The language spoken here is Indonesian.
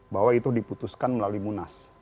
bahwa itu diputuskan melalui munas